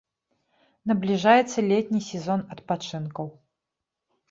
Набліжаецца летні сезон адпачынкаў.